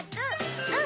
うん！